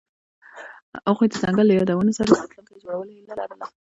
هغوی د ځنګل له یادونو سره راتلونکی جوړولو هیله لرله.